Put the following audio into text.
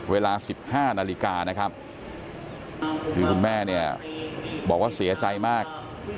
เวลา๑๕นาฬิกานะครับคือคุณแม่เนี่ยบอกว่าเสียใจมาก